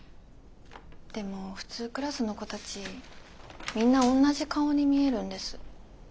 でも普通クラスの子たちみんなおんなじ顔に見えるんです。